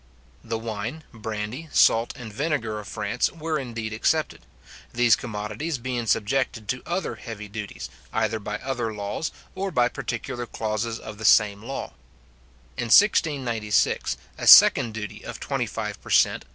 The wine, brandy, salt, and vinegar of France, were indeed excepted; these commodities being subjected to other heavy duties, either by other laws, or by particular clauses of the same law. In 1696, a second duty of twenty five per cent.